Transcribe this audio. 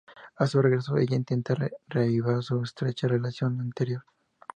A su regreso, ella intenta reavivar su estrecha relación anterior.